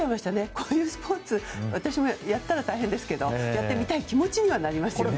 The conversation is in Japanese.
こういうスポーツ私もやったら大変ですけどやってみたい気持ちにはなりましたよね。